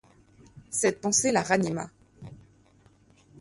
Cette pensée la ranima.